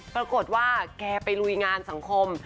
ปรากฏว่าแกไปลุยงานสังคม